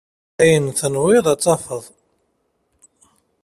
Ayen i tenwiḍ ad t-tafeḍ.